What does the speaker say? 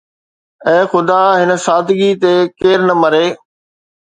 اي خدا هن سادگي تي ڪير نه مري.